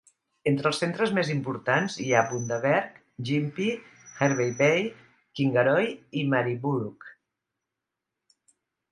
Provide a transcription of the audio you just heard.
Entre els centres més importants hi ha Bundaberg, Gympie, Hervey Bay, Kingaroy i Maryborough.